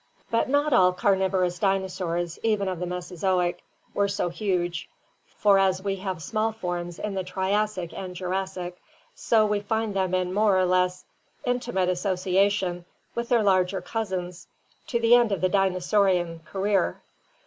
But not all carnivorous dinosaurs, even of the Mesozoic, were so huge, for as we have small forms in the Triassic and Jurassic, so we find them in more or less inti mate association with their larger cousins to the end of the dinosaurian career.